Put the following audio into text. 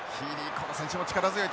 この選手も力強い。